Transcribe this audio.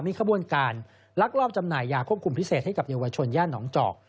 มีขบวนการลักลอบจำหน่ายยาควบคุมพิเศษให้กับเยาวชนย่านหนองจอก